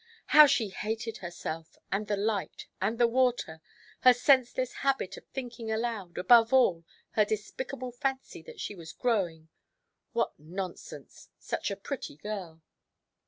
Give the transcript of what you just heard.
How she hated herself, and the light, and the water, her senseless habit of thinking aloud, above all, her despicable fancy that she was growing—what nonsense!—such a pretty girl!